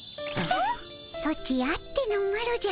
ソチあってのマロじゃ。